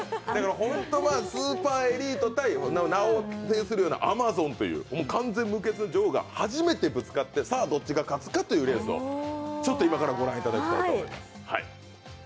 本当はスーパーエリート対名を呈するようなアマゾンという完全無欠女王が初めてぶつかって、さあどっちが勝つかというレースを今から御覧いただきたい。